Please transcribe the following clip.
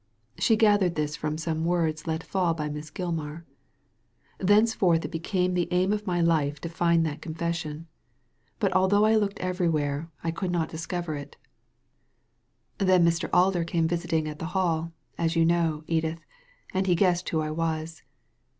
She gathered this from some words let fall by Miss Gilmar. Thenceforth it became the aim of my life to find that confession ; but although I looked everywhere^ I Digitized by Google THE CONVICTS DEFENCE 241 could not discover it Then Mn Alder came visiting at the Hall, as you know, Edith, and he guessed who I was.